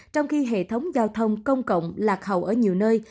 trong khi hệ thống giao thông công cộng lạc hậu ở nhiều nơi